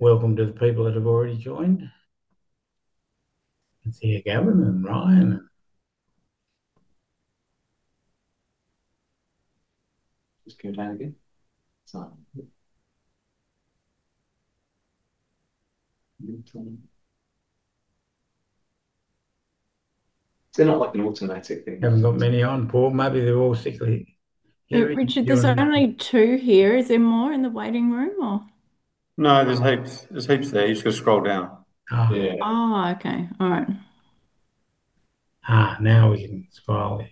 Welcome to the people that have already joined. Let's hear Gavin and Ryan. Just good, hanging in. It's not like an automatic thing. Haven't got many on, Paul. Maybe they're all sickly. Richard, there's only two here. Is there more in the waiting room, or? No, there's heaps. There's heaps there. You just got to scroll down. Oh, okay. All right. Now we can smile there.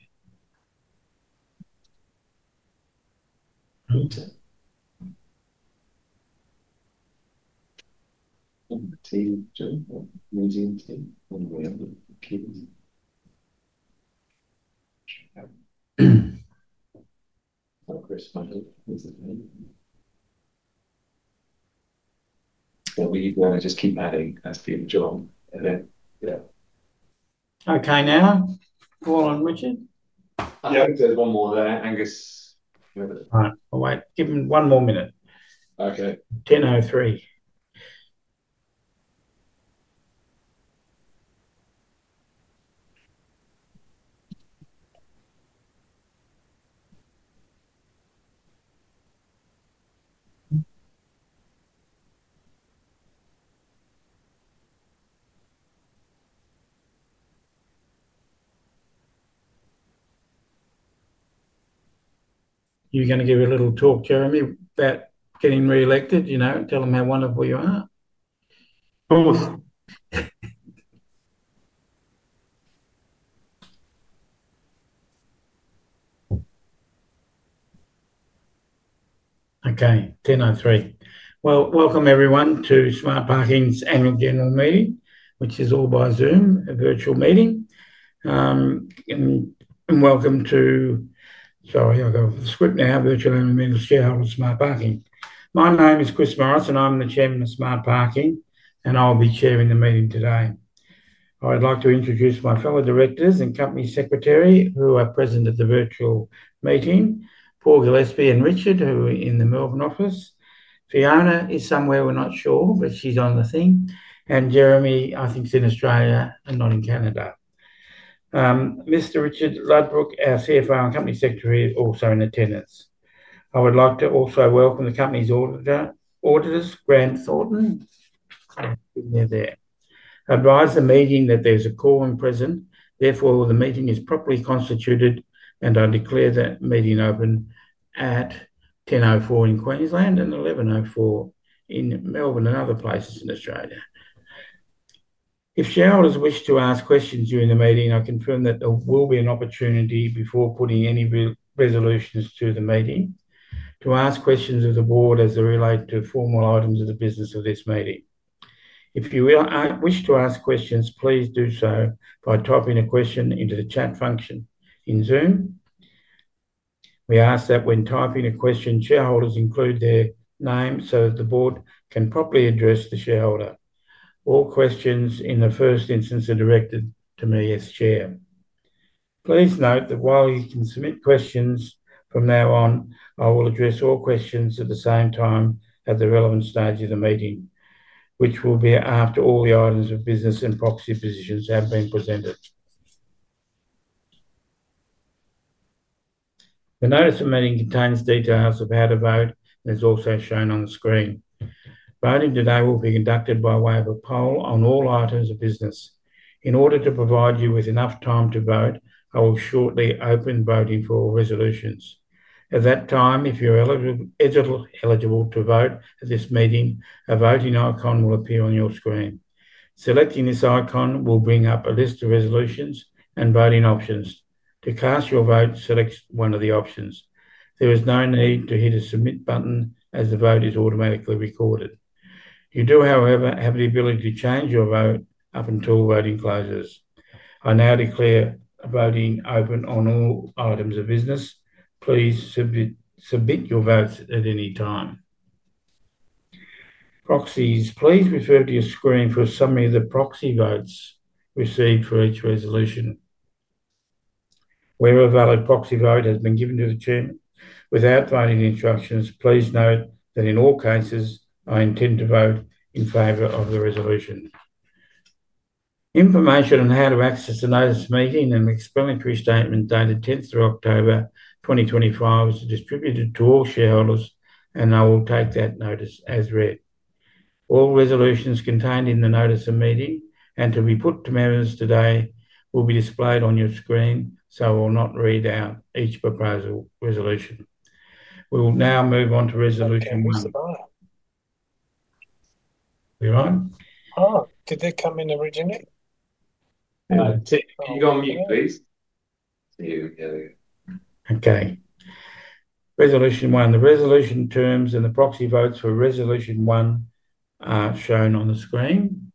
We just keep adding. That's the job. Okay, now. Paul and Richard. Yeah, there's one more there. Angus. All right, give him one more minute. Okay. You're going to give a little talk, Jeremy, about getting reelected, tell them how wonderful you are. Okay, 10:03. Welcome everyone to Smart Parking's annual general meeting, which is all by Zoom, a virtual meeting. Welcome to, sorry, I got a script now, virtual annual meeting of Smart Parking. My name is Chris Morris, and I'm the Chairman of Smart Parking, and I'll be chairing the meeting today. I'd like to introduce my fellow directors and Company Secretary who are present at the virtual meeting, Paul Gillespie and Richard, who are in the Melbourne office. Fiona is somewhere, we're not sure, but she's on the thing. Jeremy, I think, is in Australia and not in Canada. Mr. Richard Ludbrook, our CFO and Company Secretary, is also in attendance. I would like to also welcome the company's auditors, Grant Thornton. Advise the meeting that there's a call in present. Therefore, the meeting is properly constituted, and I declare that meeting open at 10:04 A.M. in Queensland and 11:04 A.M. in Melbourne and other places in Australia. If shareholders wish to ask questions during the meeting, I confirm that there will be an opportunity before putting any resolutions to the meeting to ask questions of the board as they relate to formal items of the business of this meeting. If you wish to ask questions, please do so by typing a question into the chat function in Zoom. We ask that when typing a question, shareholders include their name so that the board can properly address the shareholder. All questions in the first instance are directed to me as chair. Please note that while you can submit questions from now on, I will address all questions at the same time at the relevant stage of the meeting, which will be after all the items of business and proxy positions have been presented. The notice of meeting contains details of how to vote, and it is also shown on the screen. Voting today will be conducted by way of a poll on all items of business. In order to provide you with enough time to vote, I will shortly open voting for resolutions. At that time, if you are eligible to vote at this meeting, a voting icon will appear on your screen. Selecting this icon will bring up a list of resolutions and voting options. To cast your vote, select one of the options. There is no need to hit a submit button as the vote is automatically recorded. You do, however, have the ability to change your vote up until voting closes. I now declare voting open on all items of business. Please submit your votes at any time. Proxies, please refer to your screen for a summary of the proxy votes received for each resolution. Where a valid proxy vote has been given to the Chairman without voting instructions, please note that in all cases, I intend to vote in favor of the resolution. Information on how to access the notice of meeting and explanatory statement dated 10th of October 2025 is distributed to all shareholders, and I will take that notice as read. All resolutions contained in the notice of meeting and to be put to members today will be displayed on your screen, so I will not read out each proposal resolution. We will now move on to resolution one. We're on? Oh, did they come in originally? You are on mute, please. See you. Okay. Resolution one. The resolution terms and the proxy votes for resolution one are shown on the screen.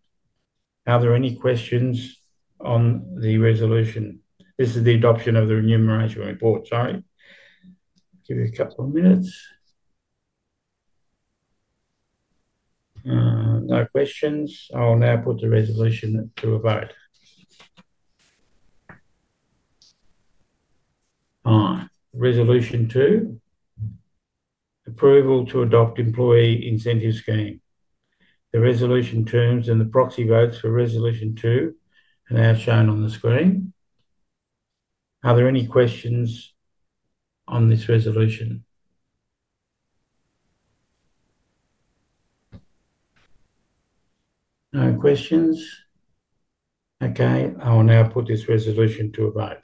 Are there any questions on the resolution? This is the adoption of the remuneration report. Sorry. Give you a couple of minutes. No questions. I'll now put the resolution to a vote. All right. Resolution two, approval to adopt employee incentive scheme. The resolution terms and the proxy votes for resolution two are now shown on the screen. Are there any questions on this resolution? No questions? Okay. I will now put this resolution to a vote.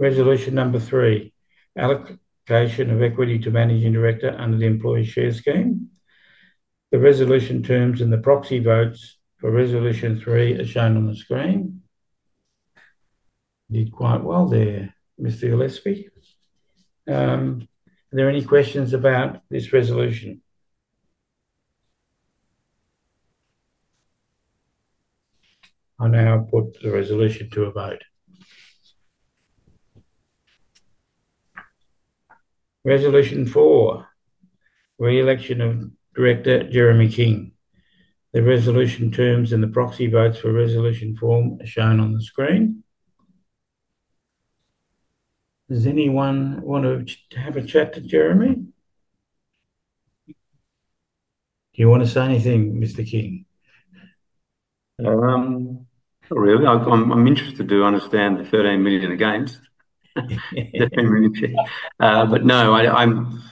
Resolution number three, allocation of equity to Managing Director under the employee share scheme. The resolution terms and the proxy votes for resolution three are shown on the screen. You did quite well there, Mr. Gillespie. Are there any questions about this resolution? I now put the resolution to a vote. Resolution four, reelection of Director Jeremy King. The resolution terms and the proxy votes for resolution four are shown on the screen. Does anyone want to have a chat to Jeremy? Do you want to say anything, Mr. King? Not really. I'm interested to understand the 13 million against. I am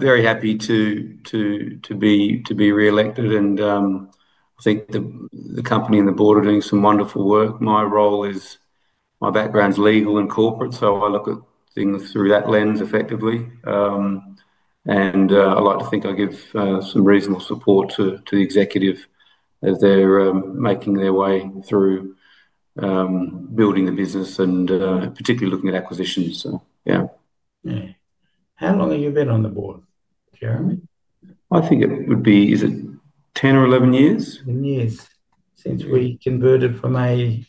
very happy to be reelected, and I think the company and the board are doing some wonderful work. My background's legal and corporate, so I look at things through that lens effectively. I like to think I give some reasonable support to the executive as they're making their way through building the business and particularly looking at acquisitions. How long have you been on the board, Jeremy? I think it would be 10 or 11 years. 10 years since we converted from an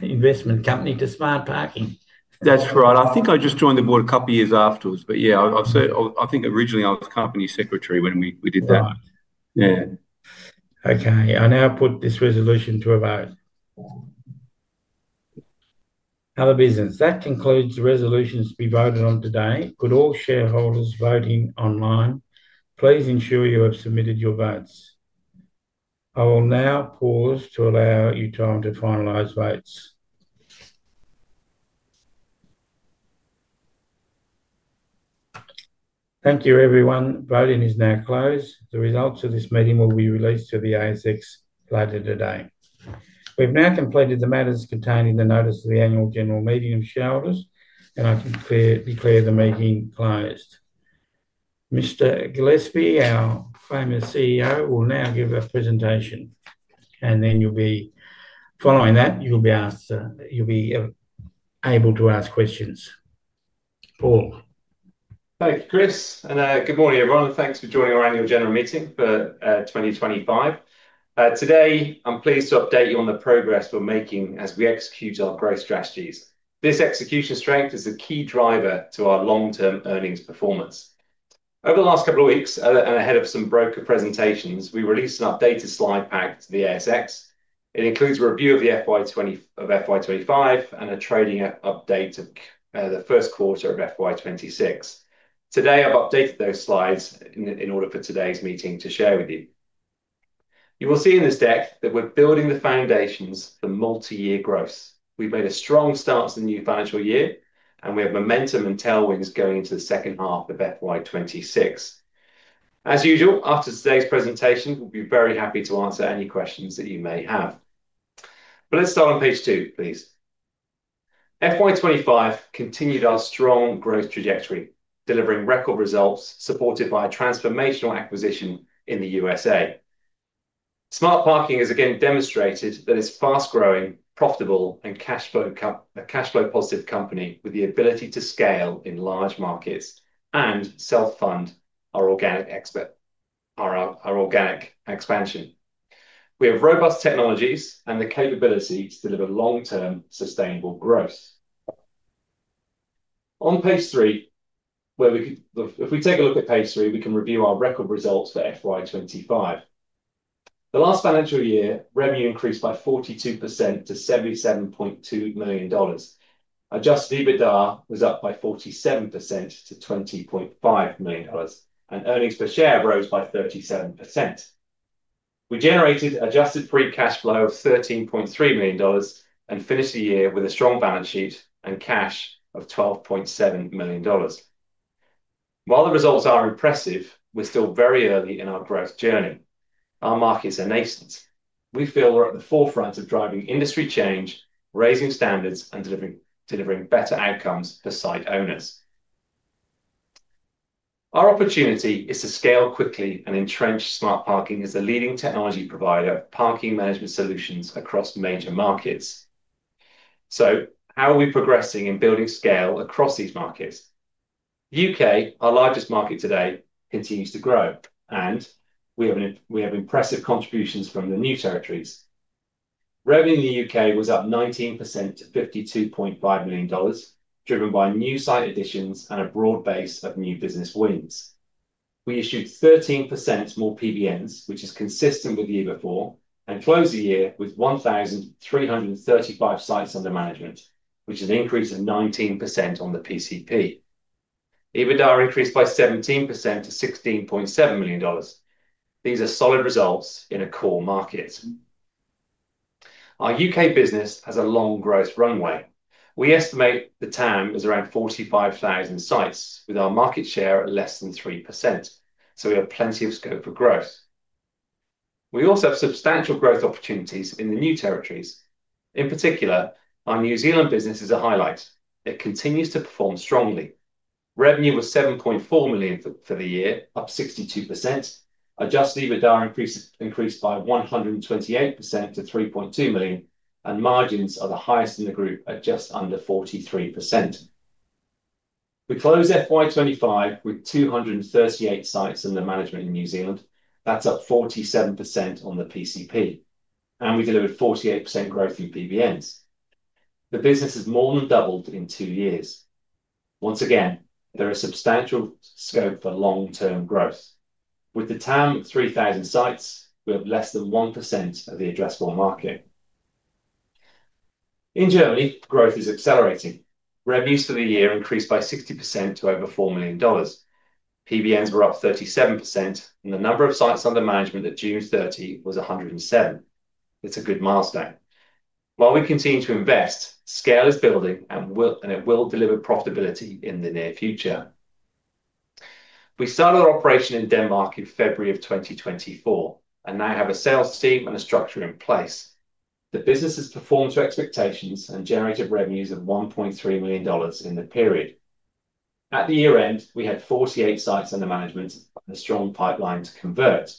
investment company to Smart Parking. That's right. I think I just joined the board a couple of years afterwards. Yeah, I think originally I was company secretary when we did that. Okay. I now put this resolution to a vote. Other business. That concludes the resolutions to be voted on today. Could all shareholders voting online please ensure you have submitted your votes. I will now pause to allow you time to finalize votes. Thank you, everyone. Voting is now closed. The results of this meeting will be released to the ASX later today. We have now completed the matters contained in the notice of the annual general meeting of shareholders, and I declare the meeting closed. Mr. Gillespie, our famous CEO, will now give a presentation. Following that, you will be able to ask questions. Paul. Thanks, Chris. Good morning, everyone. Thanks for joining our annual general meeting for 2025. Today, I'm pleased to update you on the progress we're making as we execute our growth strategies. This execution strength is a key driver to our long-term earnings performance. Over the last couple of weeks, and ahead of some broker presentations, we released an updated slide pack to the ASX. It includes a review of the FY 2025 and a trading update of the first quarter of FY 2026. Today, I've updated those slides in order for today's meeting to share with you. You will see in this deck that we're building the foundations for multi-year growth. We've made a strong start to the new financial year, and we have momentum and tailwinds going into the second half of FY 2026. As usual, after today's presentation, we'll be very happy to answer any questions that you may have. Let's start on page two, please. FY 2025 continued our strong growth trajectory, delivering record results supported by a transformational acquisition in the U.S.A, Smart Parking has again demonstrated that it's a fast-growing, profitable, and cash flow-positive company with the ability to scale in large markets and self-fund our organic expansion. We have robust technologies and the capability to deliver long-term sustainable growth. On page three, if we take a look at page three, we can review our record results for FY 2025. The last financial year, revenue increased by 42% to 77.2 million dollars. Adjusted EBITDA was up by 47% to 20.5 million dollars, and earnings per share rose by 37%. We generated adjusted free cash flow of 13.3 million dollars and finished the year with a strong balance sheet and cash of 12.7 million dollars. While the results are impressive, we're still very early in our growth journey. Our markets are nascent. We feel we're at the forefront of driving industry change, raising standards, and delivering better outcomes for site owners. Our opportunity is to scale quickly and entrench Smart Parking as a leading technology provider of parking management solutions across major markets. How are we progressing in building scale across these markets? The U.K., our largest market today, continues to grow, and we have impressive contributions from the new territories. Revenue in the U.K. was up 19% to 52.5 million dollars, driven by new site additions and a broad base of new business wins. We issued 13% more PBNs, which is consistent with the year before, and closed the year with 1,335 sites under management, which is an increase of 19% on the PCP. EBITDA increased by 17% to 16.7 million dollars. These are solid results in a core market. Our U.K. business has a long growth runway. We estimate the TAM is around 45,000 sites, with our market share at less than 3%. So we have plenty of scope for growth. We also have substantial growth opportunities in the new territories. In particular, our New Zealand business is a highlight. It continues to perform strongly. Revenue was 7.4 million for the year, up 62%. Adjusted EBITDA increased by 128% to 3.2 million, and margins are the highest in the group, at just under 43%. We closed FY25 with 238 sites under management in New Zealand. That's up 47% on the PCP, and we delivered 48% growth in PBNs. The business has more than doubled in two years. Once again, there is substantial scope for long-term growth. With the TAM of 3,000 sites, we have less than 1% of the addressable market. In Germany, growth is accelerating. Revenues for the year increased by 60% to over 4 million dollars. PBNs were up 37%, and the number of sites under management at June 30 was 107. It's a good milestone. While we continue to invest, scale is building, and it will deliver profitability in the near future. We started our operation in Denmark in February of 2024 and now have a sales team and a structure in place. The business has performed to expectations and generated revenues of 1.3 million dollars in the period. At the year end, we had 48 sites under management and a strong pipeline to convert.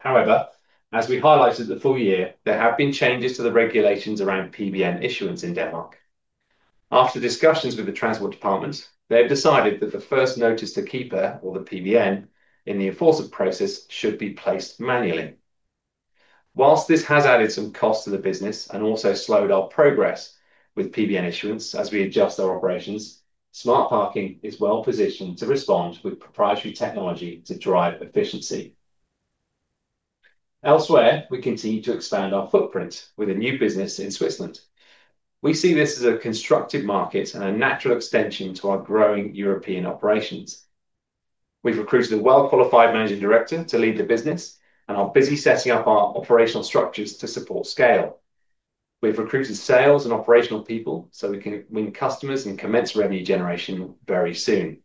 However, as we highlighted the full year, there have been changes to the regulations around PBN issuance in Denmark. After discussions with the Transport Department, they have decided that the first notice to KIPA, or the PBN, in the enforcement process should be placed manually. Whilst this has added some costs to the business and also slowed our progress with PBN issuance as we adjust our operations, Smart Parking is well positioned to respond with proprietary technology to drive efficiency. Elsewhere, we continue to expand our footprint with a new business in Switzerland. We see this as a constructive market and a natural extension to our growing European operations. We've recruited a well-qualified managing director to lead the business, and I'm busy setting up our operational structures to support scale. We've recruited sales and operational people so we can win customers and commence revenue generation very soon.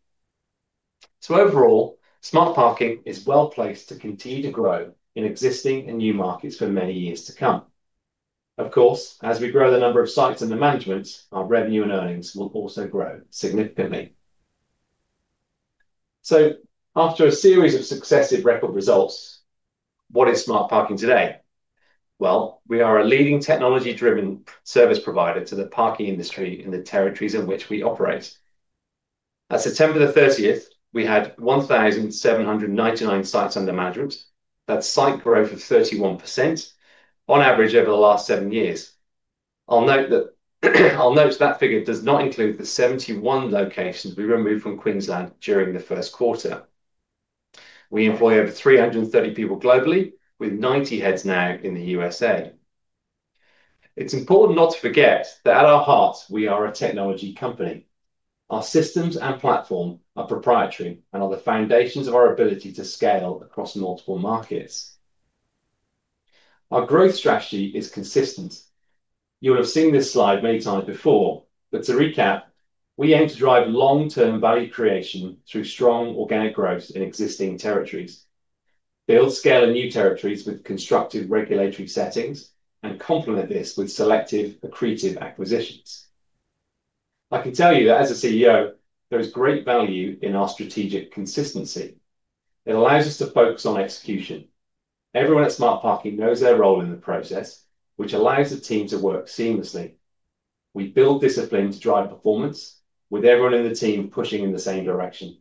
Overall, Smart Parking is well placed to continue to grow in existing and new markets for many years to come. Of course, as we grow the number of sites under management, our revenue and earnings will also grow significantly. After a series of successive record results, what is Smart Parking today? We are a leading technology-driven service provider to the parking industry in the territories in which we operate. At September 30th, we had 1,799 sites under management. That is site growth of 31% on average over the last seven years. I will note that that figure does not include the 71 locations we removed from Queensland during the first quarter. We employ over 330 people globally, with 90 heads now in the U.S.A., It is important not to forget that at our heart, we are a technology company. Our systems and platform are proprietary and are the foundations of our ability to scale across multiple markets. Our growth strategy is consistent. You will have seen this slide many times before, but to recap, we aim to drive long-term value creation through strong organic growth in existing territories, build scale in new territories with constructive regulatory settings, and complement this with selective accretive acquisitions. I can tell you that as a CEO, there is great value in our strategic consistency. It allows us to focus on execution. Everyone at Smart Parking knows their role in the process, which allows the team to work seamlessly. We build discipline to drive performance, with everyone in the team pushing in the same direction.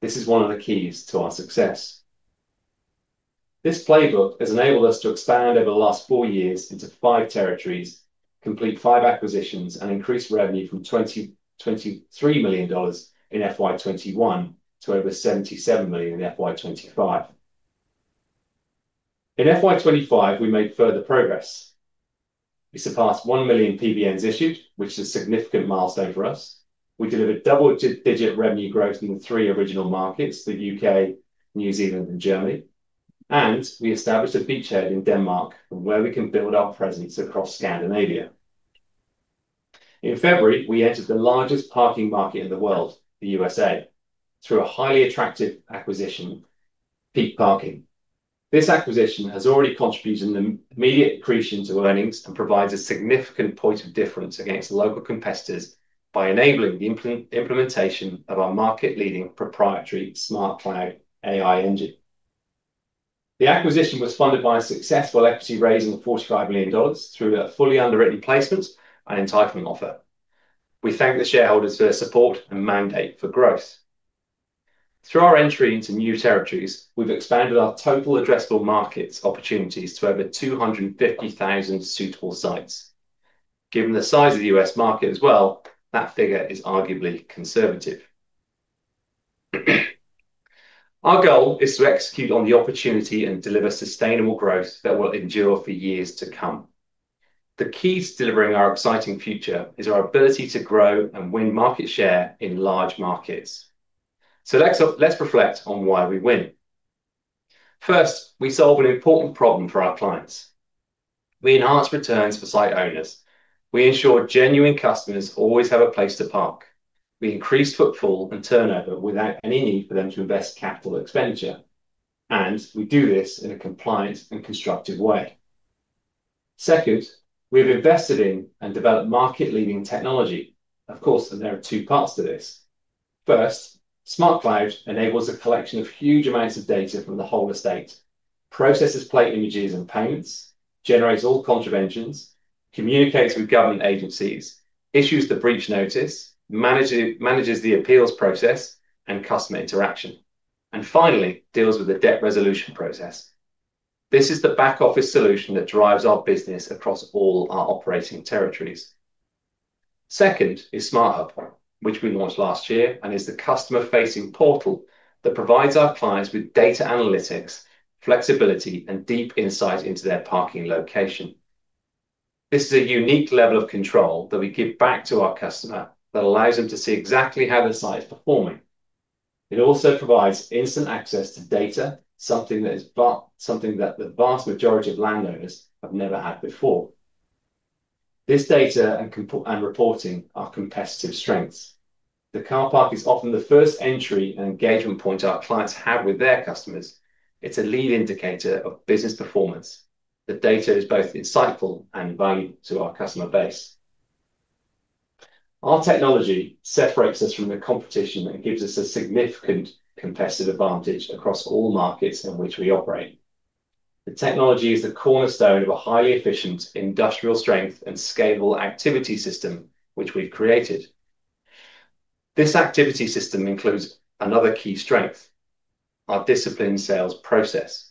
This is one of the keys to our success. This playbook has enabled us to expand over the last four years into five territories, complete five acquisitions, and increase revenue from 23 million dollars in FY2021 to over 77 million in FY2025. In FY2025, we made further progress. We surpassed 1 million PBNs issued, which is a significant milestone for us. We delivered double-digit revenue growth in the three original markets, the U.K., New Zealand, and Germany. We established a beachhead in Denmark from where we can build our presence across Scandinavia. In February, we entered the largest parking market in the world, the U.S.A., through a highly attractive acquisition, Peak Parking. This acquisition has already contributed to immediate accretion to earnings and provides a significant point of difference against local competitors by enabling the implementation of our market-leading proprietary Smart Cloud AI engine. The acquisition was funded by a successful equity raise of 45 million dollars through a fully underwritten placement and entitlement offer. We thank the shareholders for their support and mandate for growth. Through our entry into new territories, we have expanded our total addressable markets opportunities to over 250,000 suitable sites. Given the size of the U.S., market as well, that figure is arguably conservative. Our goal is to execute on the opportunity and deliver sustainable growth that will endure for years to come. The key to delivering our exciting future is our ability to grow and win market share in large markets. Let's reflect on why we win. First, we solve an important problem for our clients. We enhance returns for site owners. We ensure genuine customers always have a place to park. We increase footfall and turnover without any need for them to invest capital expenditure. We do this in a compliant and constructive way. Second, we have invested in and developed market-leading technology. Of course, there are two parts to this. First, Smart Cloud enables a collection of huge amounts of data from the whole estate, processes plate images and payments, generates all contraventions, communicates with government agencies, issues the breach notice, manages the appeals process and customer interaction, and finally, deals with the debt resolution process. This is the back-office solution that drives our business across all our operating territories. Second is Smart Hub, which we launched last year and is the customer-facing portal that provides our clients with data analytics, flexibility, and deep insight into their parking location. This is a unique level of control that we give back to our customer that allows them to see exactly how the site is performing. It also provides instant access to data, something that the vast majority of landowners have never had before. This data and reporting are competitive strengths. The car park is often the first entry and engagement point our clients have with their customers. It's a lead indicator of business performance. The data is both insightful and valuable to our customer base. Our technology separates us from the competition and gives us a significant competitive advantage across all markets in which we operate. The technology is the cornerstone of a highly efficient industrial strength and scalable activity system which we've created. This activity system includes another key strength: our disciplined sales process.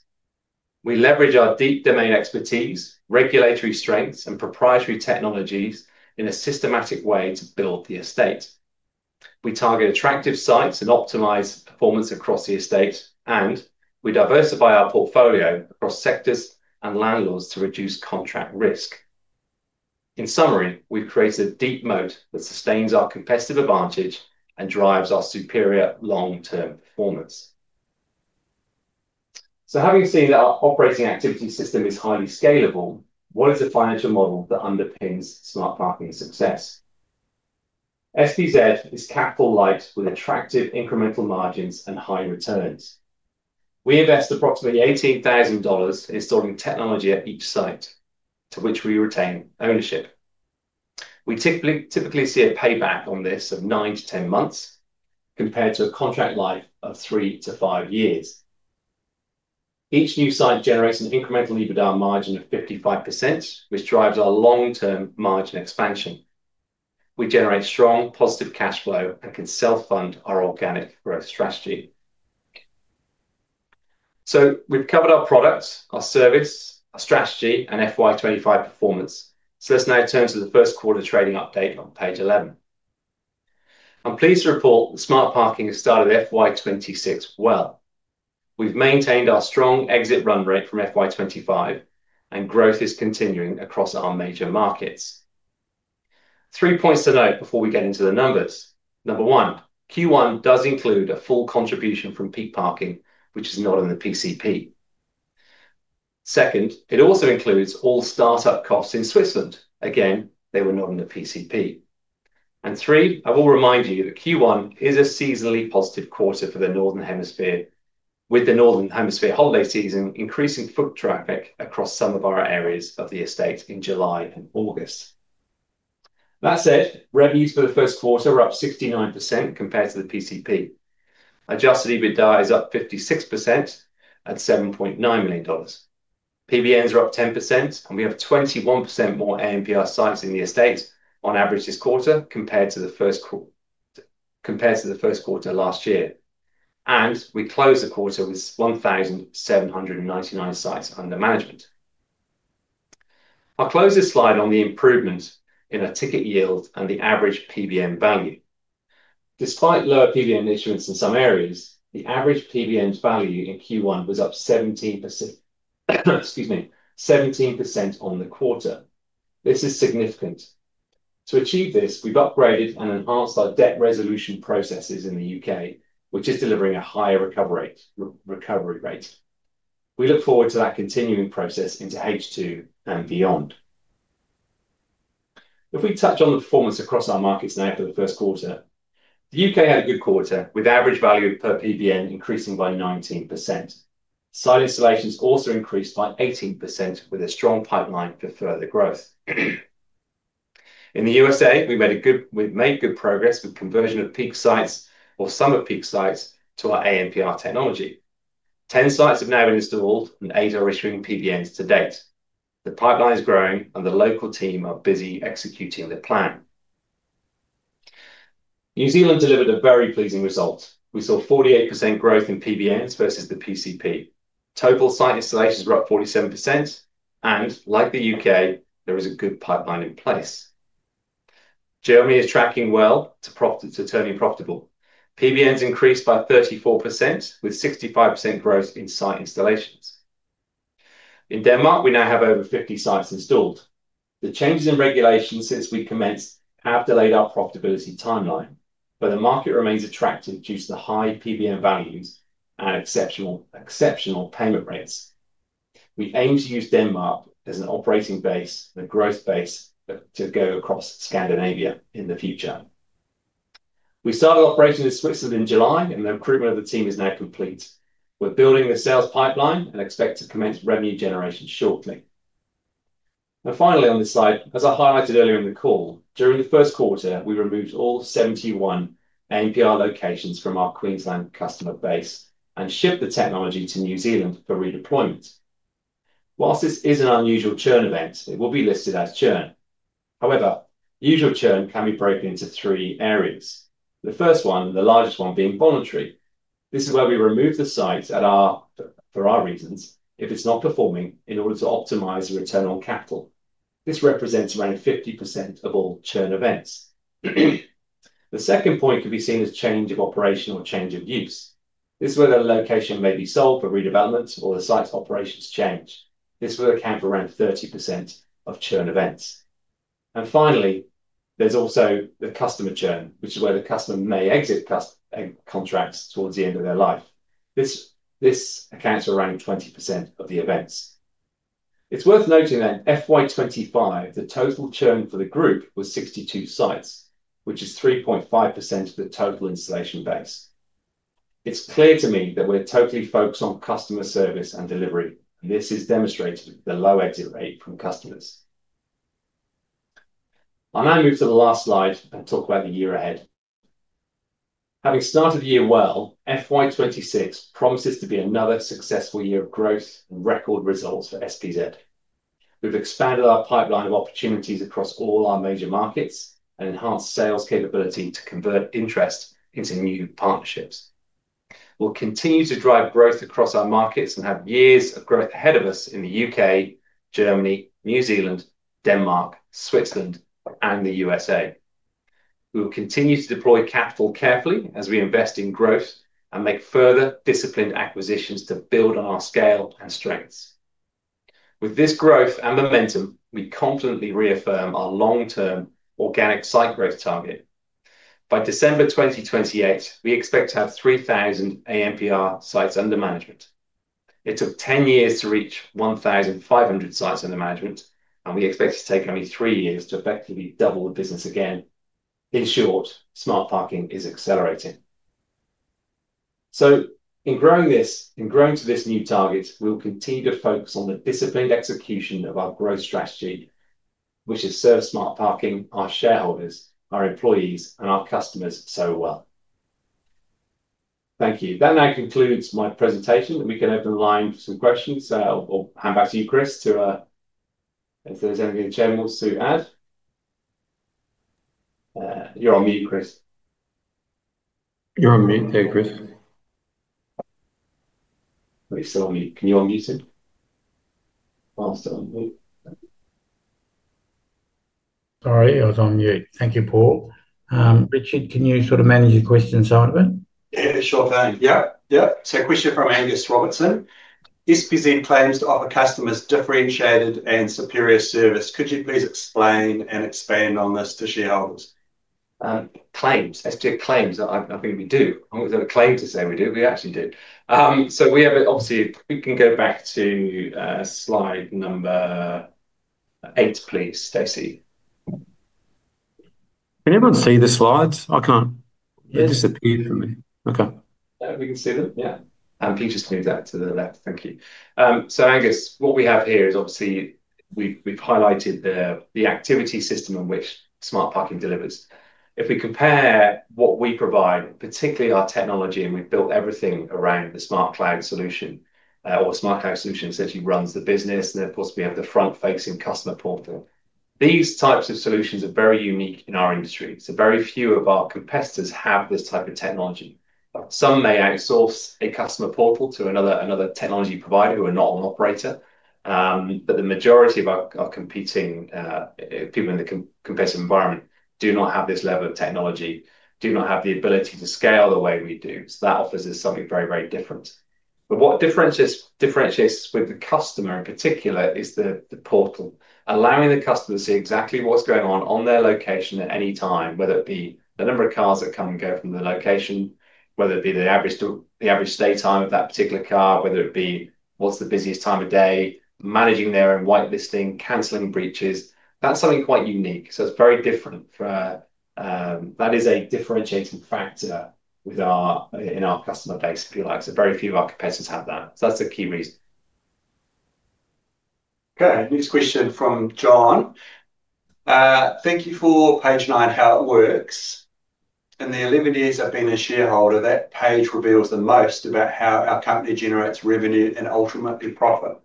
We leverage our deep domain expertise, regulatory strengths, and proprietary technologies in a systematic way to build the estate. We target attractive sites and optimize performance across the estate, and we diversify our portfolio across sectors and landlords to reduce contract risk. In summary, we've created a deep moat that sustains our competitive advantage and drives our superior long-term performance. Having seen that our operating activity system is highly scalable, what is the financial model that underpins Smart Parking success? SPZ is capital-light with attractive incremental margins and high returns. We invest approximately 18,000 dollars in installing technology at each site, to which we retain ownership. We typically see a payback on this of 9-10 months compared to a contract life of 3-5 years. Each new site generates an incremental EBITDA margin of 55%, which drives our long-term margin expansion. We generate strong, positive cash flow and can self-fund our organic growth strategy. We have covered our products, our service, our strategy, and FY25 performance. Let's now turn to the first quarter trading update on page 11. I'm pleased to report that Smart Parking has started FY26 well. We have maintained our strong exit run rate from FY25, and growth is continuing across our major markets. Three points to note before we get into the numbers. Number one, Q1 does include a full contribution from Peak Parking, which is not in the PCP. Second, it also includes all startup costs in Switzerland. Again, they were not in the PCP. Third, I will remind you that Q1 is a seasonally positive quarter for the northern hemisphere, with the northern hemisphere holiday season increasing foot traffic across some of our areas of the estate in July and August. That said, revenues for the first quarter were up 69% compared to the PCP. Adjusted EBITDA is up 56% at 7.9 million dollars. PBNs are up 10%, and we have 21% more ANPR sites in the estate on average this quarter compared to the first quarter last year. We closed the quarter with 1,799 sites under management. I'll close this slide on the improvement in our ticket yield and the average PBN value. Despite lower PBN issuance in some areas, the average PBN value in Q1 was up 17% on the quarter. This is significant. To achieve this, we've upgraded and enhanced our debt resolution processes in the U.K., which is delivering a higher recovery rate. We look forward to that continuing process into H2 and beyond. If we touch on the performance across our markets now for the first quarter, the U.K. had a good quarter with average value per PBN increasing by 19%. Site installations also increased by 18% with a strong pipeline for further growth. In the U.S.A., we made good progress with conversion of Peak sites or some of Peak sites to our ANPR technology. Ten sites have now been installed and eight are issuing PBNs to date. The pipeline is growing and the local team are busy executing the plan. New Zealand delivered a very pleasing result. We saw 48% growth in PBNs versus the PCP. Total site installations were up 47%, and like the U.K., there is a good pipeline in place. Germany is tracking well to turning profitable. PBNs increased by 34% with 65% growth in site installations. In Denmark, we now have over 50 sites installed. The changes in regulation since we commenced have delayed our profitability timeline, but the market remains attractive due to the high PBN values and exceptional payment rates. We aim to use Denmark as an operating base and a growth base to go across Scandinavia in the future. We started operating in Switzerland in July, and the recruitment of the team is now complete. We're building the sales pipeline and expect to commence revenue generation shortly. Finally, on this slide, as I highlighted earlier in the call, during the first quarter, we removed all 71 ANPR locations from our Queensland customer base and shipped the technology to New Zealand for redeployment. Whilst this is an unusual churn event, it will be listed as churn. However, usual churn can be broken into three areas. The first one, the largest one, being voluntary. This is where we remove the sites for our reasons if it's not performing in order to optimize the return on capital. This represents around 50% of all churn events. The second point could be seen as change of operation or change of use. This is where the location may be sold for redevelopment or the site's operations change. This will account for around 30% of churn events. Finally, there's also the customer churn, which is where the customer may exit contracts towards the end of their life. This accounts for around 20% of the events. It's worth noting that in FY2025, the total churn for the group was 62 sites, which is 3.5% of the total installation base. It's clear to me that we're totally focused on customer service and delivery, and this is demonstrated with the low exit rate from customers. I'll now move to the last slide and talk about the year ahead. Having started the year well, FY2026 promises to be another successful year of growth and record results for SPZ. We've expanded our pipeline of opportunities across all our major markets and enhanced sales capability to convert interest into new partnerships. will continue to drive growth across our markets and have years of growth ahead of us in the U.K., Germany, New Zealand, Denmark, Switzerland, and the U.S.A., We will continue to deploy capital carefully as we invest in growth and make further disciplined acquisitions to build on our scale and strengths. With this growth and momentum, we confidently reaffirm our long-term organic site growth target. By December 2028, we expect to have 3,000 ANPR sites under management. It took 10 years to reach 1,500 sites under management, and we expect to take only three years to effectively double the business again. In short, Smart Parking is accelerating. In growing to this new target, we will continue to focus on the disciplined execution of our growth strategy, which has served Smart Parking, our shareholders, our employees, and our customers so well. Thank you. That now concludes my presentation. We can open the line for some questions. I'll hand back to you, Chris, if there's anything the Chairman wants to add. You're on mute, Chris. You're on mute. Thank you, Chris. Are you still on mute? Can you unmute him? I'm still on mute. Sorry, I was on mute. Thank you, Paul. Richard, can you sort of manage your questions, Simon? Yeah, sure. Thanks. Yep, yep. Question from Angus Robertson. SPZ claims to offer customers differentiated and superior service. Could you please explain and expand on this to shareholders? Claims. As to claims, I think we do. I don't claim to say we do. We actually do. We have obviously, we can go back to slide number eight, please, Stacey. Can everyone see the slides? I can't. They disappeared from me. Okay. We can see them. Can you just move that to the left? Thank you. Angus, what we have here is obviously we've highlighted the activity system on which Smart Parking delivers. If we compare what we provide, particularly our technology, and we've built everything around the Smart Cloud solution, our Smart Cloud solution essentially runs the business, and of course we have the front-facing customer portal. These types of solutions are very unique in our industry. Very few of our competitors have this type of technology. Some may outsource a customer portal to another technology provider who are not an operator, but the majority of our competing people in the competitive environment do not have this level of technology, do not have the ability to scale the way we do. That offers us something very, very different. What differentiates us with the customer in particular is the portal, allowing the customer to see exactly what is going on on their location at any time, whether it be the number of cars that come and go from the location, whether it be the average stay time of that particular car, whether it be what is the busiest time of day, managing their own whitelisting, canceling breaches. That is something quite unique. It is very different. That is a differentiating factor in our customer base, if you like. Very few of our competitors have that. That is a key reason. Okay. Next question from John. Thank you for page nine, how it works. In the eleven years I have been a shareholder, that page reveals the most about how our company generates revenue and ultimately profit.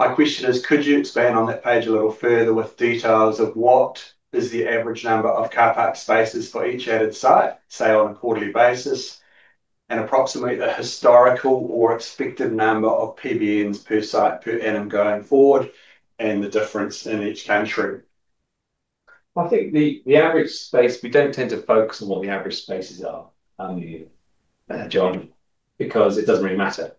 My question is, could you expand on that page a little further with details of what is the average number of car park spaces for each added site, say, on a quarterly basis, and approximate the historical or expected number of PBNs per site per annum going forward and the difference in each country? I think the average space, we don't tend to focus on what the average spaces are, John, because it doesn't really matter.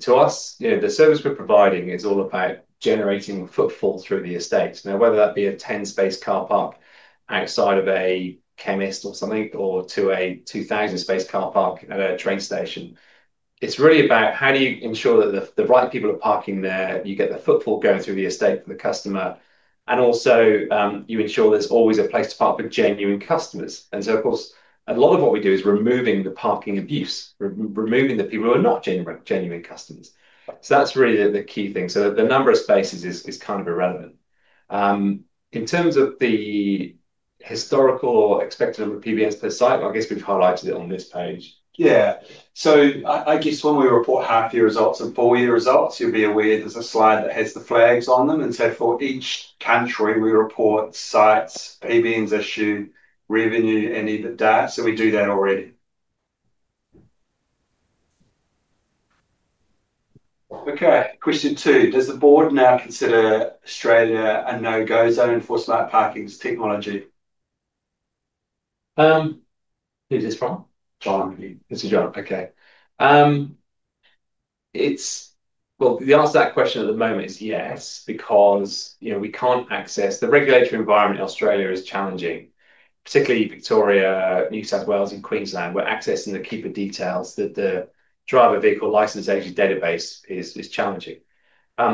To us, the service we're providing is all about generating footfall through the estates. Now, whether that be a 10-space car park outside of a chemist or something, or to a 2,000-space car park at a train station, it is really about how do you ensure that the right people are parking there, you get the footfall going through the estate for the customer, and also you ensure there is always a place to park for genuine customers. Of course, a lot of what we do is removing the parking abuse, removing the people who are not genuine customers. That is really the key thing. The number of spaces is kind of irrelevant. In terms of the historical or expected number of PBNs per site, I guess we have highlighted it on this page. Yeah. I guess when we report half-year results and full-year results, you will be aware there is a slide that has the flags on them. For each country, we report sites, PBNs issued, revenue, and even data. We do that already. Question two. Does the board now consider Australia a no-go zone for Smart Parking's technology? Who is this from? John. This is John. The answer to that question at the moment is yes, because we cannot access the regulatory environment in Australia. It is challenging, particularly Victoria, New South Wales, and Queensland. Accessing the keeper details at the driver vehicle license agency database is challenging.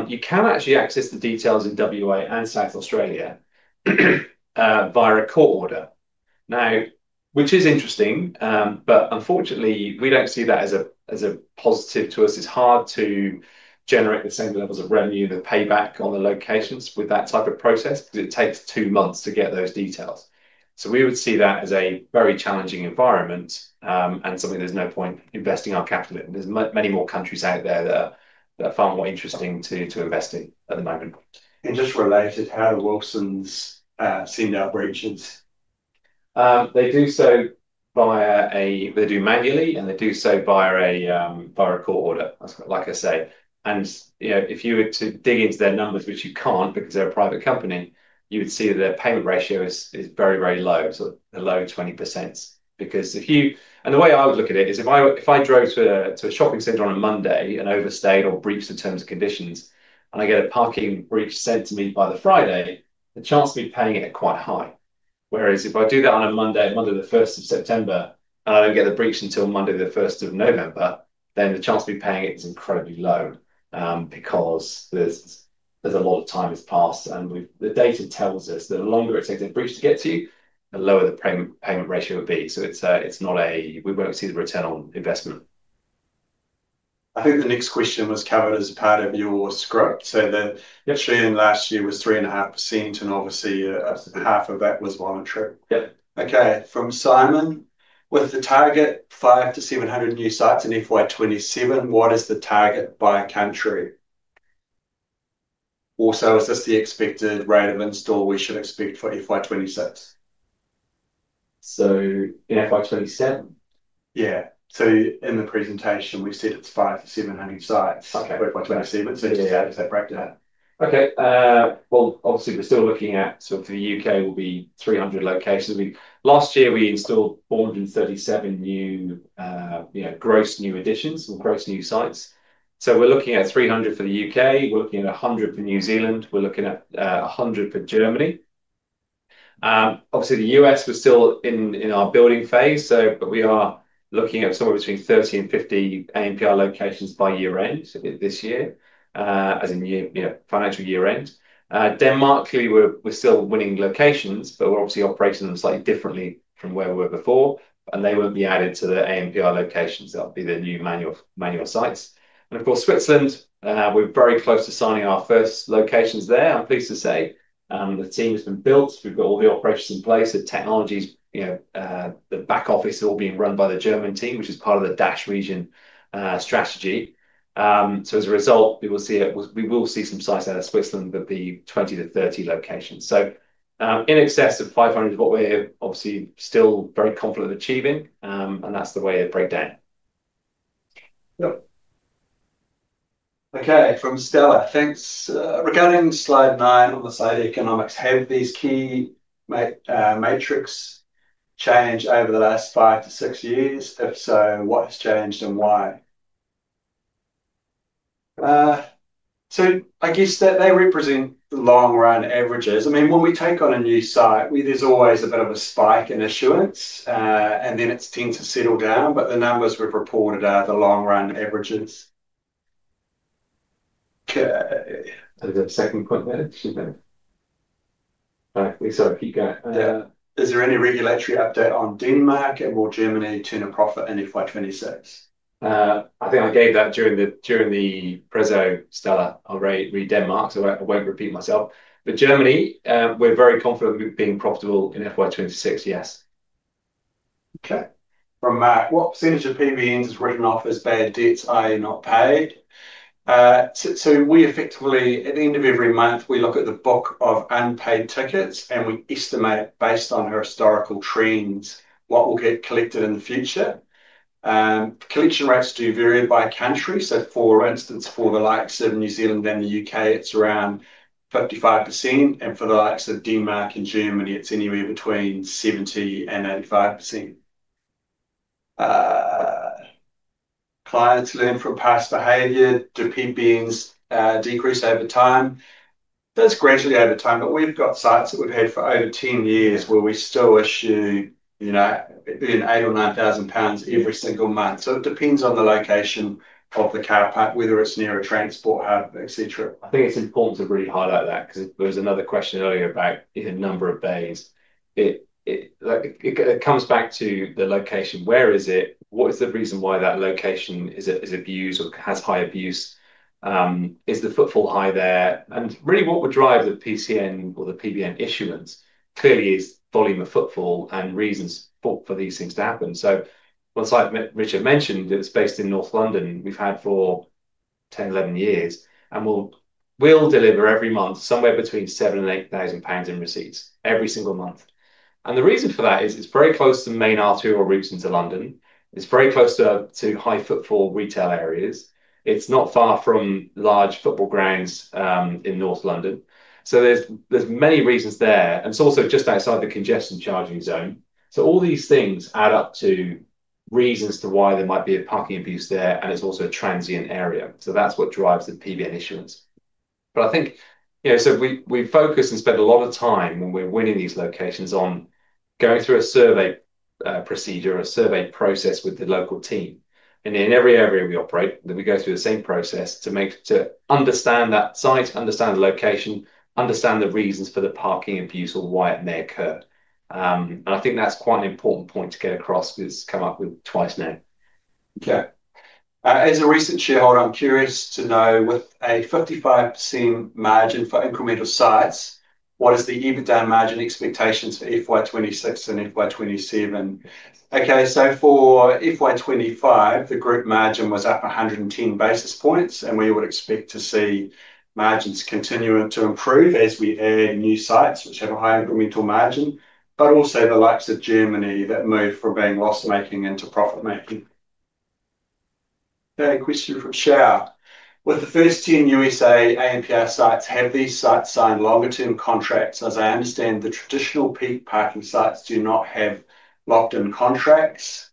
You can actually access the details in Western Australia and South Australia via a court order, which is interesting, but unfortunately, we do not see that as a positive to us. It is hard to generate the same levels of revenue, the payback on the locations with that type of process because it takes two months to get those details. We would see that as a very challenging environment and something there's no point investing our capital in. There are many more countries out there that are far more interesting to invest in at the moment. Just related, how do Wilson Parking send out breaches? They do so manually, and they do so via a court order, like I say. If you were to dig into their numbers, which you can't because they're a private company, you would see that their payment ratio is very, very low, so the low 20%. The way I would look at it is if I drove to a shopping center on a Monday and overstayed or breached the terms and conditions, and I get a parking breach sent to me by the Friday, the chance of me paying it is quite high. Whereas if I do that on a Monday, Monday the 1st of September, and I do not get the breach until Monday the 1st of November, then the chance of me paying it is incredibly low because a lot of time has passed. The data tells us that the longer it takes a breach to get to you, the lower the payment ratio would be. It is not a we will not see the return on investment. I think the next question was covered as part of your script. The exchange last year was 3.5%, and obviously, half of that was voluntary. Yep. Okay. From Simon. With the target 5-700 new sites in FY27, what is the target by country? Also, is this the expected rate of install we should expect for FY26? In FY27? Yeah. In the presentation, we said it's 5-700 sites for FY27. Just how does that break down? Okay. Obviously, we're still looking at sort of the U.K. will be 300 locations. Last year, we installed 437 new gross new additions or gross new sites. We're looking at 300 for the U.K. We're looking at 100 for New Zealand. We're looking at 100 for Germany. Obviously, the U.S., was still in our building phase, but we are looking at somewhere between 30-50 ANPR locations by year-end this year as a financial year-end. Denmark, clearly, we're still winning locations, but we're obviously operating them slightly differently from where we were before. They won't be added to the ANPR locations. That'll be the new manual sites. Of course, Switzerland, we're very close to signing our first locations there. I'm pleased to say the team has been built. We've got all the operations in place. The technologies, the back office are all being run by the German team, which is part of the DACH region strategy. As a result, we will see some sites out of Switzerland, but the 20-30 locations. In excess of 500 is what we're obviously still very confident of achieving, and that's the way to break down. Yep. Okay. From Stella. Thanks. Regarding slide nine on the side of economics, have these key metrics changed over the last five to six years? If so, what has changed and why? I guess that they represent the long-run averages. I mean, when we take on a new site, there's always a bit of a spike in issuance, and then it tends to settle down. But the numbers we've reported are the long-run averages. Okay. There's a second point there. Excuse me. All right. Keep going. Yeah. Is there any regulatory update on Denmark and will Germany turn a profit in FY26? I think I gave that during the prezzo, Stella. I'll read Denmark, so I won't repeat myself. Germany, we're very confident of being profitable in FY26, yes. Okay. From Mark, what percentage of PBNs is written off as bad debts or not paid? We effectively, at the end of every month, look at the book of unpaid tickets, and we estimate based on historical trends what we'll get collected in the future. Collection rates do vary by country. For instance, for the likes of New Zealand and the U.K., it's around 55%. For the likes of Denmark and Germany, it's anywhere between 70-85%. Clients learn from past behavior. Do PBNs decrease over time? Does gradually over time. We have sites that we have had for over 10 years where we still issue between 8,000 and 9,000 pounds every single month. It depends on the location of the car park, whether it is near a transport hub, etc. I think it is important to really highlight that because there was another question earlier about the number of bays. It comes back to the location. Where is it? What is the reason why that location is abused or has high abuse? Is the footfall high there? What would drive the PCN or the PBN issuance clearly is volume of footfall and reasons for these things to happen. Once, as Richard mentioned, it is based in North London. We have had it for 10, 11 years. We deliver every month somewhere between 7,000-8,000 pounds in receipts every single month. The reason for that is it is very close to main arterial routes into London. It is very close to high-footfall retail areas. It is not far from large football grounds in North London. There are many reasons there. It is also just outside the congestion charging zone. All these things add up to reasons why there might be a parking abuse there, and it is also a transient area. That is what drives the PBN issuance. I think we focus and spend a lot of time when we are winning these locations on going through a survey procedure, a survey process with the local team. In every area we operate, we go through the same process to understand that site, understand the location, understand the reasons for the parking abuse or why it may occur. I think that's quite an important point to get across because it's come up twice now. Okay. As a recent shareholder, I'm curious to know, with a 55% margin for incremental sites, what is the EBITDA margin expectations for FY26 and FY27? Okay. For FY25, the group margin was up 110 basis points, and we would expect to see margins continue to improve as we add new sites, which have a higher incremental margin, but also the likes of Germany that move from being loss-making into profit-making. Okay. Question from Shar. With the first 10 U.S.A., ANPR sites, have these sites signed longer-term contracts? As I understand, the traditional Peak Parking sites do not have locked-in contracts.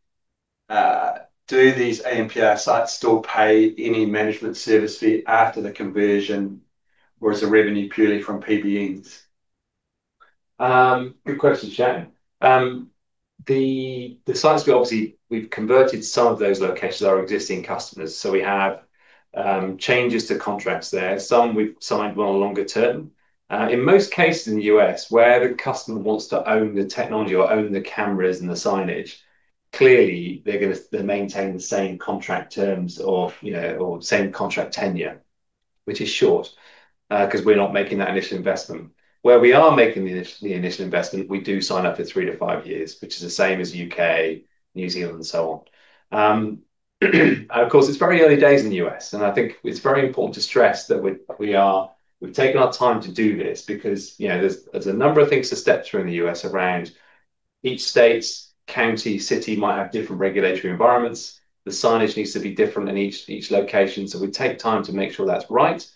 Do these ANPR sites still pay any management service fee after the conversion, or is the revenue purely from PBNs? Good question, Shan. The sites, obviously, we've converted some of those locations that are existing customers. So we have changes to contracts there. Some we've signed one longer term. In most cases in the U.S., where the customer wants to own the technology or own the cameras and the signage, clearly, they maintain the same contract terms or same contract tenure, which is short because we're not making that initial investment. Where we are making the initial investment, we do sign up for three to five years, which is the same as U.K., New Zealand, and so on. Of course, it's very early days in the U.S. I think it's very important to stress that we've taken our time to do this because there's a number of things to step through in the U.S., Each state, county, city might have different regulatory environments. The signage needs to be different in each location. We take time to make sure that's right.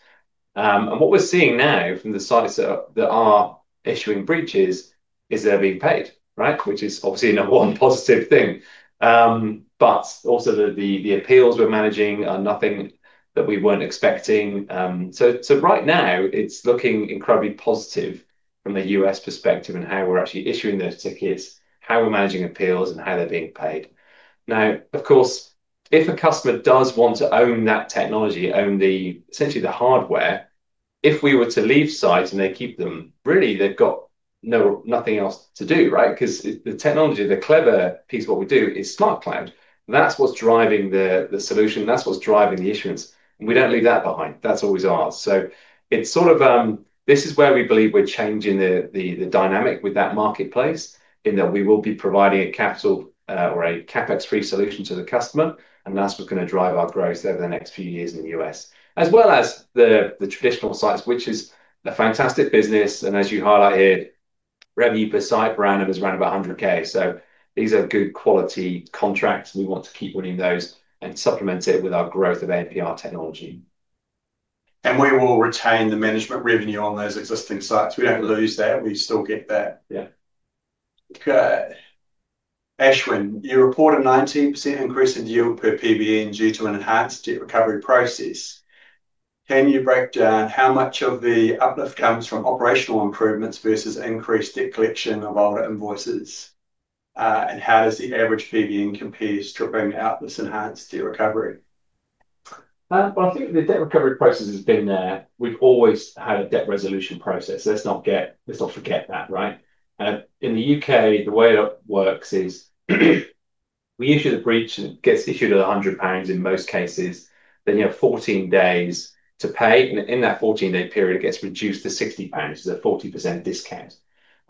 What we're seeing now from the sites that are issuing breaches is they're being paid, right, which is obviously one positive thing. Also, the appeals we're managing are nothing that we weren't expecting. Right now, it's looking incredibly positive from the U.S., perspective in how we're actually issuing those tickets, how we're managing appeals, and how they're being paid. Now, of course, if a customer does want to own that technology, own essentially the hardware, if we were to leave sites and they keep them, really, they've got nothing else to do, right? Because the technology, the clever piece of what we do is Smart Cloud. That's what's driving the solution. That's what's driving the issuance. We don't leave that behind. That's always ours. It is sort of this is where we believe we're changing the dynamic with that marketplace in that we will be providing a capital or a CapEx-free solution to the customer. That's what's going to drive our growth over the next few years in the U.S., as well as the traditional sites, which is a fantastic business. As you highlight here, revenue per site per annum is around about $100,000. These are good quality contracts. We want to keep winning those and supplement it with our growth of ANPR technology. We will retain the management revenue on those existing sites. We do not lose that. We still get that. Yeah. Okay. Ashwin, you report a 19% increase in yield per PBN due to an enhanced debt recovery process. Can you break down how much of the uplift comes from operational improvements versus increased debt collection of older invoices? How does the average PBN compare to bringing out this enhanced debt recovery? I think the debt recovery process has been there. We have always had a debt resolution process. Let's not forget that, right? In the U.K., the way it works is we issue the breach, and it gets issued at 100 pounds in most cases. You have 14 days to pay. In that 14-day period, it gets reduced to 60 pounds. It's a 40% discount.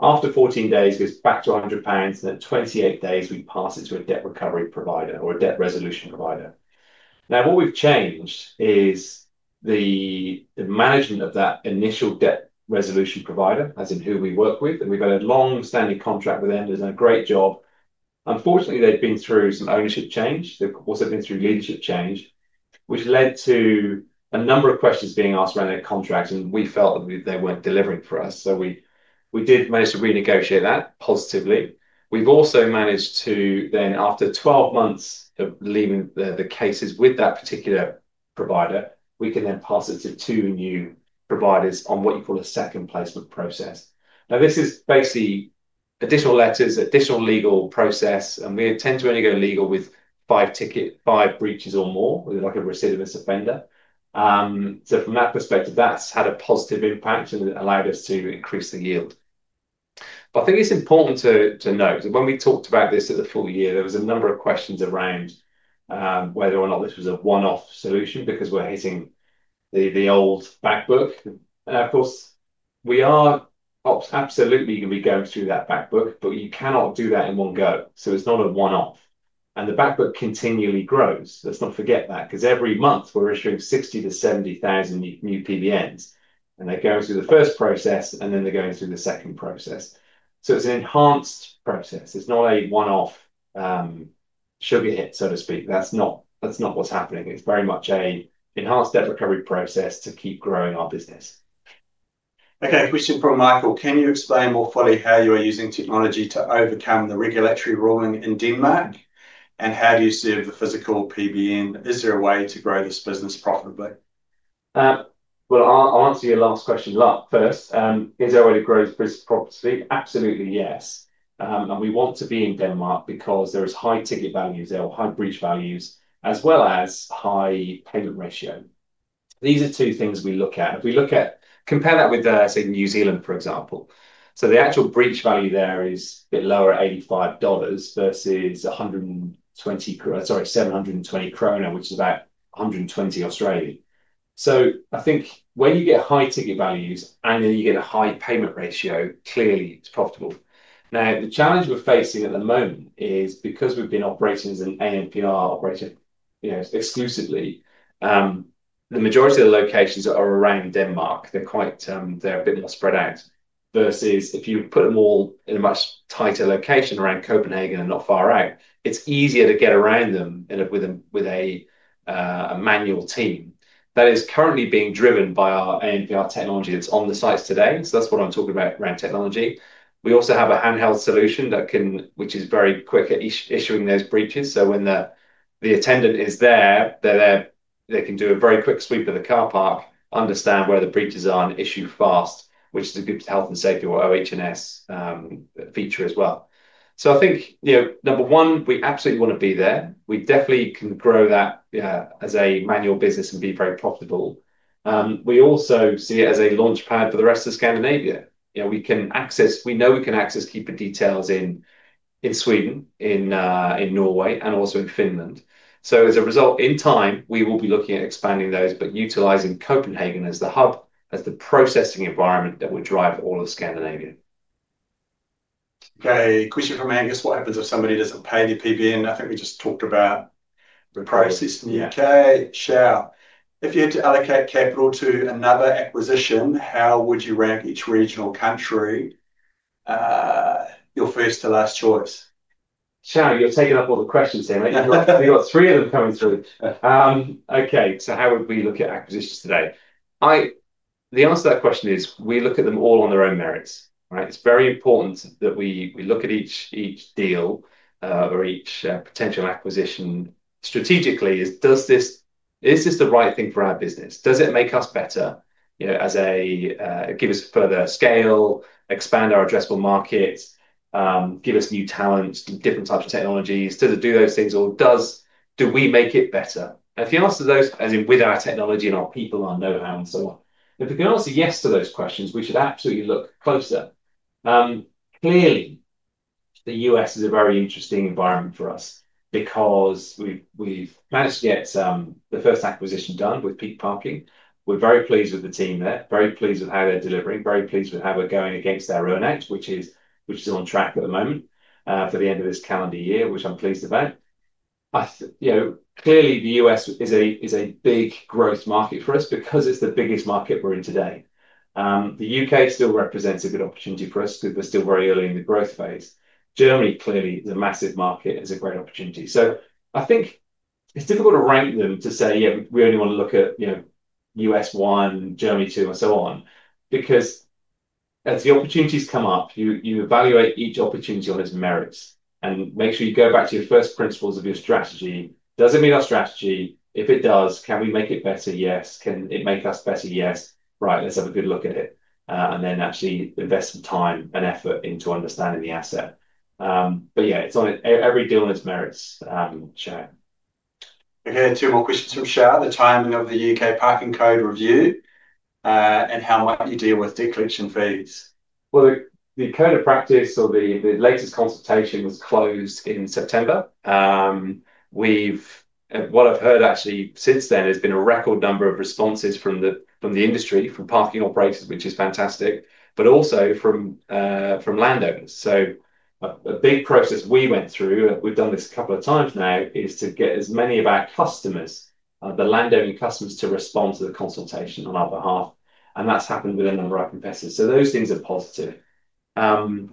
After 14 days, it goes back to 100 pounds. At 28 days, we pass it to a debt recovery provider or a debt resolution provider. What we have changed is the management of that initial debt resolution provider, as in who we work with. We have had a long-standing contract with them. They have done a great job. Unfortunately, they have been through some ownership change. They have also been through leadership change, which led to a number of questions being asked around their contract. We felt that they were not delivering for us. We did manage to renegotiate that positively. We have also managed to then, after 12 months of leaving the cases with that particular provider, pass it to two new providers on what you call a second placement process. This is basically additional letters, additional legal process. We tend to only go legal with five breaches or more with a recidivist offender. From that perspective, that's had a positive impact and allowed us to increase the yield. I think it's important to note that when we talked about this at the full year, there were a number of questions around whether or not this was a one-off solution because we're hitting the old backbook. Of course, we are absolutely going to be going through that backbook, but you cannot do that in one go. It's not a one-off. The backbook continually grows. Let's not forget that because every month, we're issuing 60,000-70,000 new PBNs. They're going through the first process, and then they're going through the second process. It's an enhanced process. It's not a one-off sugar hit, so to speak. That's not what's happening. It's very much an enhanced debt recovery process to keep growing our business. Okay. Question from Michael. Can you explain more fully how you are using technology to overcome the regulatory ruling in Denmark? And how do you serve the physical PBN? Is there a way to grow this business profitably? I'll answer your last question first. Is there a way to grow this profitably? Absolutely, yes. We want to be in Denmark because there are high ticket values or high breach values, as well as high payment ratio. These are two things we look at. If we compare that with, say, New Zealand, for example, the actual breach value there is a bit lower, 85 dollars versus 720 krone, which is about 120. I think when you get high ticket values and then you get a high payment ratio, clearly, it's profitable. Now, the challenge we're facing at the moment is because we've been operating as an ANPR operator exclusively, the majority of the locations are around Denmark. They're a bit more spread out. Versus if you put them all in a much tighter location around Copenhagen and not far out, it's easier to get around them with a manual team. That is currently being driven by our ANPR technology that's on the sites today. That's what I'm talking about around technology. We also have a handheld solution that can, which is very quick at issuing those breaches. When the attendant is there, they can do a very quick sweep of the car park, understand where the breaches are, and issue fast, which is a good health and safety or HNS feature as well. I think, number one, we absolutely want to be there. We definitely can grow that as a manual business and be very profitable. We also see it as a launch pad for the rest of Scandinavia. We know we can access keeper details in Sweden, in Norway, and also in Finland. As a result, in time, we will be looking at expanding those, but utilizing Copenhagen as the hub, as the processing environment that will drive all of Scandinavia. Okay. Question from Angus. What happens if somebody doesn't pay the PBN? I think we just talked about the process in the U.K. Shar, if you had to allocate capital to another acquisition, how would you rank each regional country, your first to last choice? Shar, you're taking up all the questions, Sam. We've got three of them coming through. Okay. How would we look at acquisitions today? The answer to that question is we look at them all on their own merits, right? It's very important that we look at each deal or each potential acquisition strategically. Is this the right thing for our business? Does it make us better, give us further scale, expand our addressable market, give us new talent, different types of technologies? Does it do those things? Do we make it better? If you answer those, as in with our technology and our people, our know-how, and so on, if we can answer yes to those questions, we should absolutely look closer. Clearly, the U.S., is a very interesting environment for us because we've managed to get the first acquisition done with Peak Parking. We're very pleased with the team there, very pleased with how they're delivering, very pleased with how we're going against our own act, which is on track at the moment for the end of this calendar year, which I'm pleased about. Clearly, the U.S., is a big growth market for us because it's the biggest market we're in today. The U.K. still represents a good opportunity for us because we're still very early in the growth phase. Germany, clearly, is a massive market, is a great opportunity. I think it is difficult to rank them to say, yeah, we only want to look at U.S., one, Germany two, and so on, because as the opportunities come up, you evaluate each opportunity on its merits and make sure you go back to your first principles of your strategy. Does it meet our strategy? If it does, can we make it better? Yes. Can it make us better? Yes. Right. Let's have a good look at it and then actually invest some time and effort into understanding the asset. Yeah, it is on every deal on its merits, Shar. Okay. Two more questions from Shar. The timing of the U.K. parking code review and how might you deal with decoration fees? The code of practice or the latest consultation was closed in September. What I've heard actually since then has been a record number of responses from the industry, from parking operators, which is fantastic, but also from landowners. A big process we went through, we've done this a couple of times now, is to get as many of our customers, the landowner customers, to respond to the consultation on our behalf. That has happened with a number of competitors. Those things are positive. Also,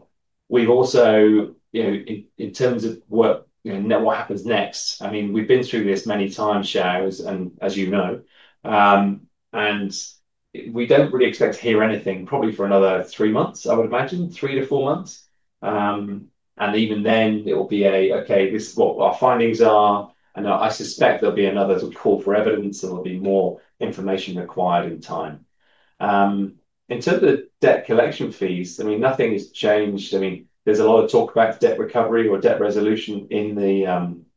in terms of what happens next, I mean, we've been through this many times, Shars, as you know, and we do not really expect to hear anything probably for another three months, I would imagine, three to four months. Even then, it will be a, okay, this is what our findings are. I suspect there will be another call for evidence, and there will be more information required in time. In terms of debt collection fees, I mean, nothing has changed. I mean, there's a lot of talk about debt recovery or debt resolution in the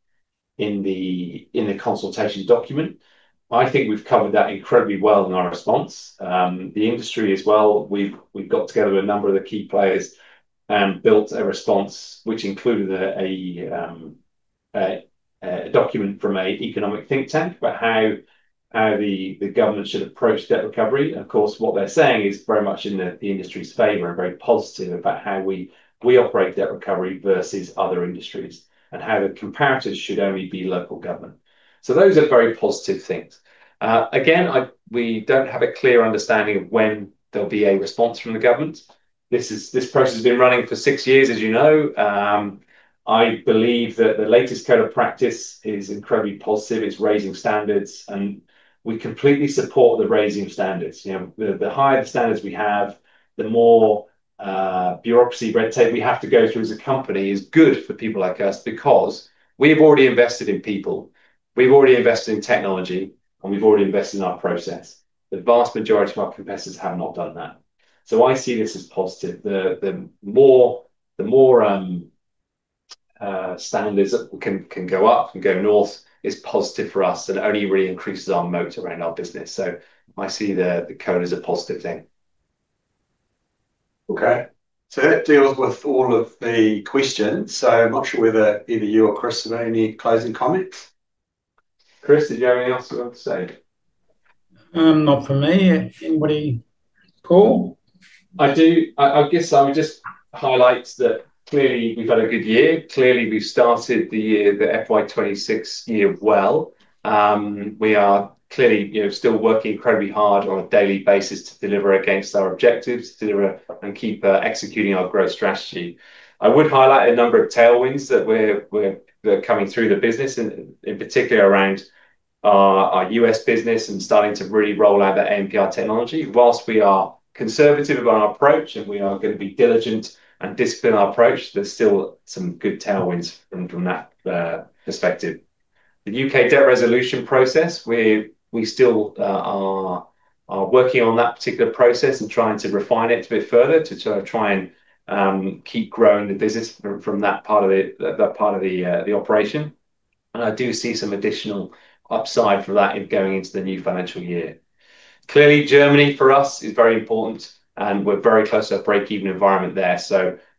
consultation document. I think we've covered that incredibly well in our response. The industry as well, we've got together a number of the key players and built a response, which included a document from an economic think tank about how the government should approach debt recovery. Of course, what they're saying is very much in the industry's favor and very positive about how we operate debt recovery versus other industries and how the comparatives should only be local government. Those are very positive things. Again, we don't have a clear understanding of when there'll be a response from the government. This process has been running for six years, as you know. I believe that the latest code of practice is incredibly positive. It's raising standards, and we completely support the raising standards. The higher the standards we have, the more bureaucracy, red tape we have to go through as a company, is good for people like us because we have already invested in people. We've already invested in technology, and we've already invested in our process. The vast majority of our competitors have not done that. I see this as positive. The more standards can go up and go north is positive for us, and it only really increases our moat around our business. I see the code as a positive thing. Okay. That deals with all of the questions. I'm not sure whether either you or Chris have any closing comments. Chris, did you have anything else you want to say? Not for me. Anybody call? I guess I would just highlight that clearly we've had a good year. Clearly, we've started the FY 2026 year well. We are clearly still working incredibly hard on a daily basis to deliver against our objectives, to deliver and keep executing our growth strategy. I would highlight a number of tailwinds that are coming through the business, in particular around our U.S., business and starting to really roll out that ANPR technology. Whilst we are conservative about our approach and we are going to be diligent and discipline our approach, there's still some good tailwinds from that perspective. The U.K. debt resolution process, we still are working on that particular process and trying to refine it a bit further to try and keep growing the business from that part of the operation. I do see some additional upside for that in going into the new financial year. Clearly, Germany for us is very important, and we're very close to a break-even environment there.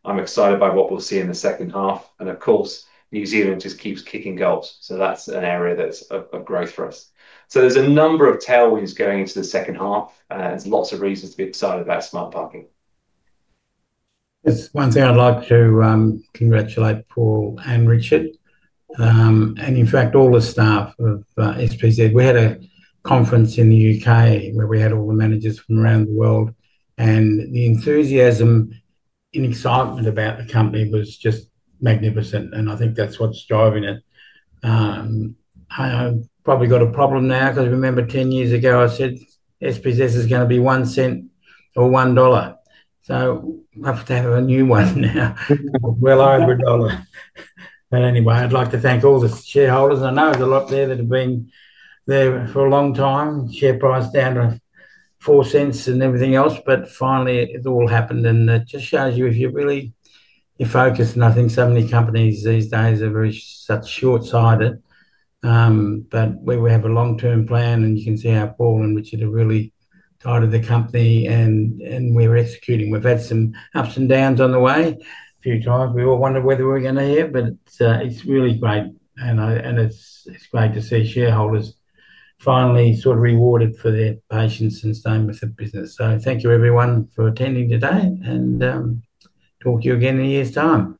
I am excited by what we'll see in the second half. Of course, New Zealand just keeps kicking goals. That is an area that's a growth for us. There are a number of tailwinds going into the second half. There are lots of reasons to be excited about Smart Parking. One thing I'd like to do is congratulate Paul and Richard, and in fact, all the staff of SPZ. We had a conference in the U.K. where we had all the managers from around the world. The enthusiasm and excitement about the company was just magnificent. I think that's what's driving it. I've probably got a problem now because I remember 10 years ago, I said SPZ is going to be one cent or one dollar. I have to have a new one now, well over a dollar. Anyway, I'd like to thank all the shareholders. I know there are a lot there that have been there for a long time, share price down to 0.04 and everything else. Finally, it all happened. It just shows you if you're really focused, and I think so many companies these days are very short-sighted. We have a long-term plan, and you can see how Paul and Richard have really guided the company, and we're executing. We've had some ups and downs on the way. Few times we all wondered whether we were going to get here, but it's really great. It's great to see shareholders finally sort of rewarded for their patience and staying with the business. Thank you, everyone, for attending today, and talk to you again in a year's time.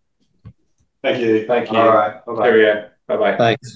Thank you. Thank you. All right. Bye-bye. Cheerio. Bye-bye. Thanks.